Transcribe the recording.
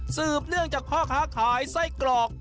สืบเนื่องจากพ่อค้าขายไส้กรอก